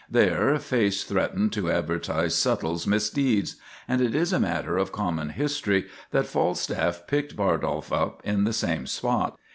There Face threatened to advertise Subtle's misdeeds; and it is a matter of common history that Falstaff picked Bardolph up in the same spot.